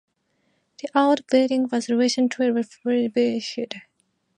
The old building was recently refurbished.